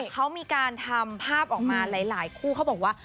เขามีการทำภาพออกมาหลายคู่เขาบอกว่า